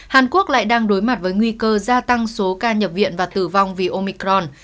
hàn quốc lại đang đối mặt với nguy cơ gia tăng số ca nhập viện và tử vong vì omicron